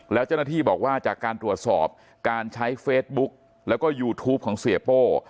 แล้วเจ้าหน้าที่บอกว่าจากการตรวจสอบการใช้เฟซบุ๊กแล้วก็ยูทูปของเสียโป้